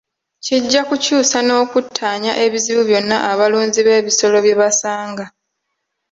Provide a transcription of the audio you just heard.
Kijja kukyusa n'okuttaanya ebizibu byonna abalunzi b'ebisolo bye basanga.